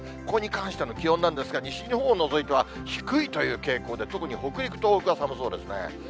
ここに関しての気温なんですが、西日本を除いては低いという傾向で、特に北陸、東北は寒そうですね。